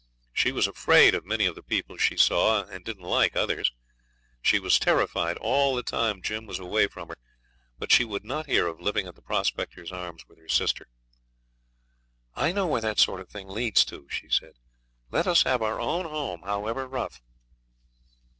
She was afraid of many of the people she saw, and didn't like others. She was terrified all the time Jim was away from her, but she would not hear of living at the Prospectors' Arms with her sister. 'I know where that sort of thing leads to,' she said; 'let us have our own home, however rough.'